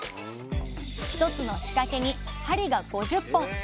１つの仕掛けに針が５０本。